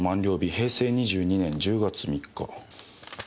平成２２年１０月３日」。